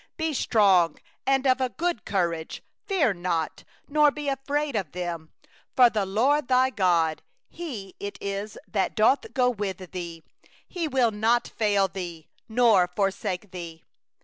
6Be strong and of good courage, fear not, nor be affrighted at them; for the LORD thy God, He it is that doth go with thee; He will not fail thee, nor forsake thee.